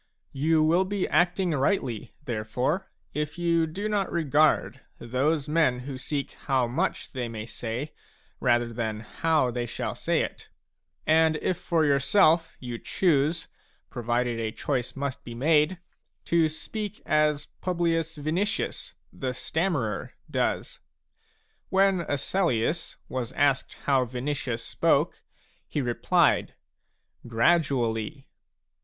You will be acting rightly, therefore, if you do not regard those men who seek how much they may say, rather than how they shall say it, and if for yourself you choose, provided a choice must be made, to speak as Publius Vinicius the stammerer does. When Asellius was asked how Vinicius spoke, he replied :" Gradually